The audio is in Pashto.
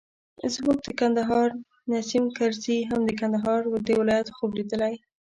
زموږ د کندهار نیسم کرزي هم د کندهار د ولایت خوب لیدلی.